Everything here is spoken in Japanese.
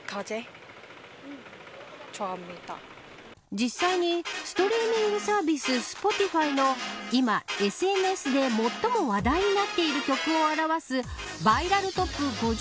実際に、ストリーミングサービスＳｐｏｔｉｆｙの今ＳＮＳで最も話題になっている曲を表すバイラルトップ５０